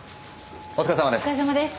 お疲れさまです。